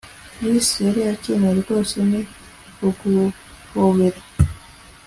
Chris yari akeneye rwose ni uguhobera